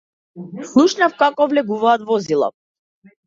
Слушнав како влегуваат возила.